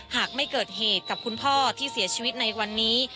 หากไม่เกิดเหตุกับคุณพ่อที่เสียชีวิตในวันนี้